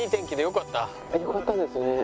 よかったですね。